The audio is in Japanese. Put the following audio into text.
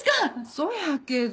そやけど。